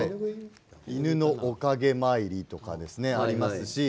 犬のおかげ参りなどありますね。